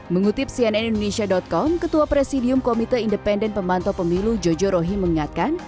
mengutip cnnindonesia com ketua presidium komite independen pemantau pemilu jojo rohim mengingatkan